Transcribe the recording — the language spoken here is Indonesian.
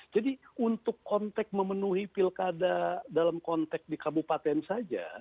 jadi untuk kontek memenuhi pilkada dalam kontek di kabupaten saja